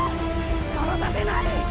殺させない！